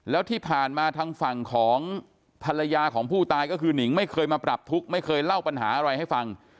แล้วที่ผ่านมาทางฝั่งของภรรยาของผู้ตายก็คือหนิงไม่เคยมาปรับทุกข์ไม่เคยเล่าปัญหาอะไรให้ฟัง